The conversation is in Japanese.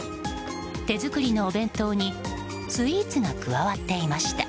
手作りのお弁当にスイーツが加わっていました。